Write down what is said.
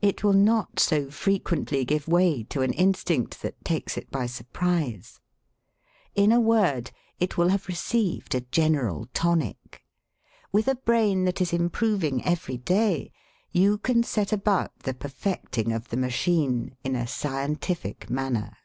It will not so frequently give way to an instinct that takes it by surprise. In a word, it will have received a general tonic. With a brain that is improving every day you can set about the perfecting of the machine in a scientific manner.